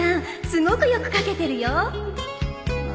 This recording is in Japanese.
すごくよく書けてるよ